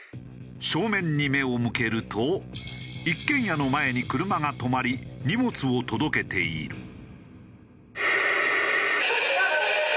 正面に目を向けると一軒家の前に車が止まり荷物を届けている。